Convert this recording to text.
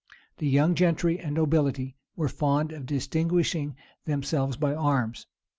The young gentry and nobility were fond of distinguishing themselves by arms.